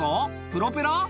プロペラ？